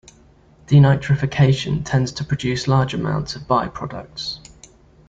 Denitrification tends to produce large amounts of by-products.